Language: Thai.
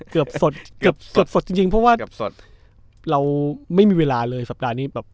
เกือบสดจริงเพราะว่าเราไม่มีเวลาเลยสัปดาห์นี้แบบ